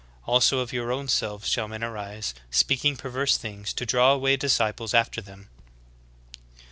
Also of your own selves shall men arise, speaking perverse things, to draw away disciples after them."''